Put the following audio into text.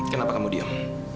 kenapa kamu diam